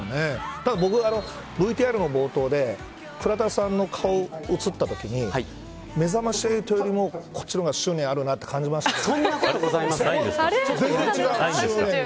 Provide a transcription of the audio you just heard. ただ、僕はＶＴＲの冒頭で倉田さんの顔が映ったときにめざまし８よりもこっちの方がそんなことはございません。